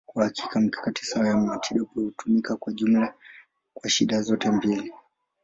Kwa hakika, mikakati sawa ya matibabu hutumika kwa jumla kwa shida zote mbili.